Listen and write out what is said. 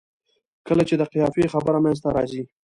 کله چې د قافیې خبره منځته راځي.